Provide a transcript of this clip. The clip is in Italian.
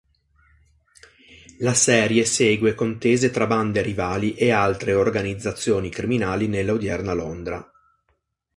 La serie segue contese tra bande rivali e altre organizzazioni criminali nella odierna Londra.